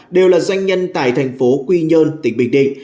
đều là doanh nhân tại thành phố quy nhơn tỉnh bình định